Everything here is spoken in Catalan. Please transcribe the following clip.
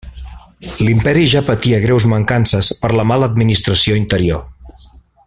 L'imperi ja patia greus mancances per la mala administració interior.